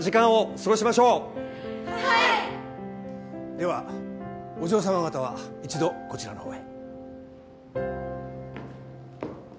ではお嬢様方は一度こちらのほうへ。